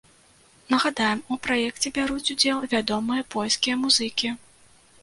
Нагадаем, у праекце бяруць удзел вядомыя польскія музыкі.